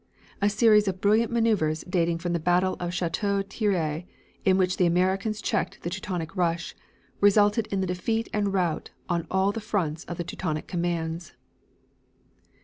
A series of brilliant maneuvers dating from the battle of Chateau Thierry in which the Americans checked the Teutonic rush, resulted in the defeat and rout on all the fronts of the Teutonic commands.